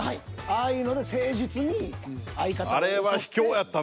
ああいうので誠実に相方を思って。